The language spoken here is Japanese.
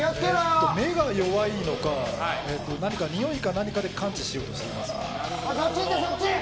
目が弱いのかにおいか何かで感知しようとしています。